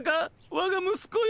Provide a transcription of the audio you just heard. わが息子よ。